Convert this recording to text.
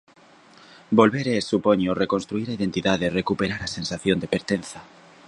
Volver é, supoño, reconstruír a identidade, recuperar a sensación de pertenza.